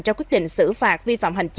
cho quyết định xử phạt vi phạm hành vi